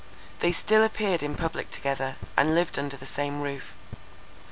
They still appeared in public together, and lived under the same roof.